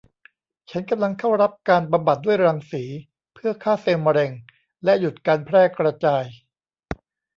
ฉันกำลังเข้ารับการบำบัดด้วยรังสี เพื่อฆ่าเซลล์มะเร็ง และหยุดการแพร่กระจาย